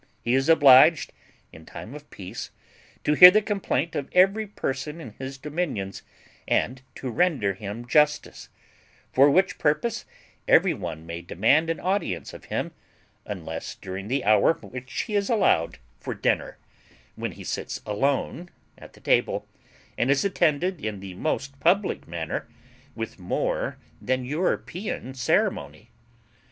He is obliged, in time of peace, to hear the complaint of every person in his dominions and to render him justice; for which purpose every one may demand an audience of him, unless during the hour which he is allowed for dinner, when he sits alone at the table, and is attended in the most public manner with more than European ceremony.